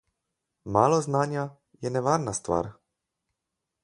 Malo znanja je nevarna stvar.